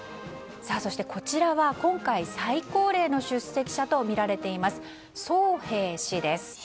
そしてこちらは、今回最高齢の出席者とみられているソウ・ヘイ氏です。